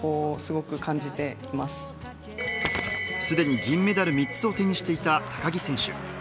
すでに銀メダル３つを手にしていた高木選手。